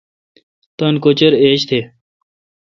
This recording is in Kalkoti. تان کوچر ایج تھ۔